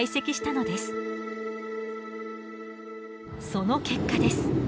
その結果です。